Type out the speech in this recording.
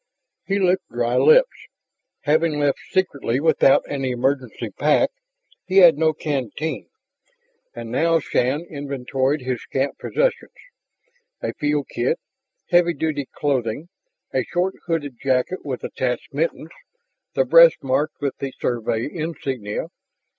He licked dry lips. Having left secretly without any emergency pack, he had no canteen, and now Shann inventoried his scant possessions a field kit, heavy duty clothing, a short hooded jacket with attached mittens, the breast marked with the Survey insignia.